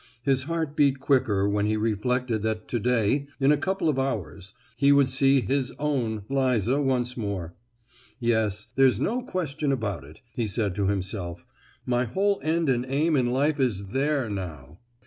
His heart beat quicker when he reflected that to day—in a couple of hours—he would see his own Liza once more. "Yes—there's no question about it," he said to himself; "my whole end and aim in life is there now!